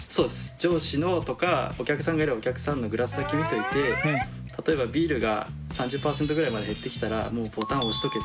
上司のとかお客さんがいればお客さんのグラスだけ見といて例えばビールが３０％ぐらいまで減ってきたらもうボタン押しとけ。